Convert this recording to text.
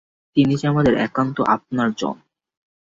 তিনি যে আমাদের একান্ত আপনার জন।